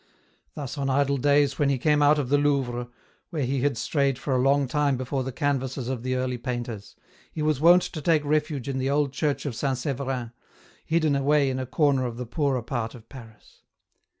Thus on idle days when he came out of the Louvre, where he had strayed for a long time before the canvases of the Early Painters, he was wont to take refuge in the old church of St. Severin, hidden away in a corner of the poorer part of Paris.